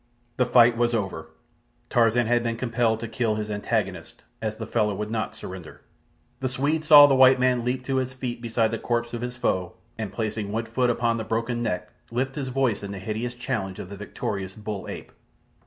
The fight was over. Tarzan had been compelled to kill his antagonist, as the fellow would not surrender. The Swede saw the white man leap to his feet beside the corpse of his foe, and placing one foot upon the broken neck lift his voice in the hideous challenge of the victorious bull ape.